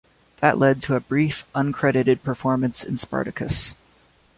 That led to a brief, uncredited performance in "Spartacus".